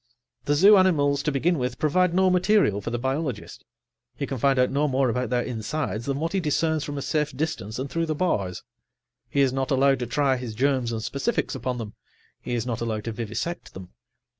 The zoo animals, to begin with, provide no material for the biologist; he can find out no more about their insides than what he discerns from a safe distance and through the bars. He is not allowed to try his germs and specifics upon them; he is not allowed to vivisect them.